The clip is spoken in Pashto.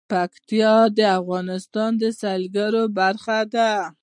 پکتیا د افغانستان د سیلګرۍ برخه ده.